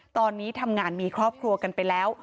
ตอนนี้ทำงานมีครอบครัวกันไปแล้ว